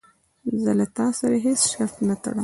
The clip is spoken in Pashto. زه له تا سره هیڅ شرط نه ټړم.